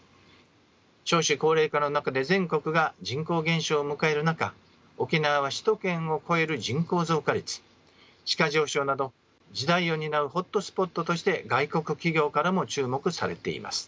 少子高齢化の中で全国が人口減少を迎える中沖縄は首都圏を超える人口増加率地価上昇など時代を担うホットスポットとして外国企業からも注目されています。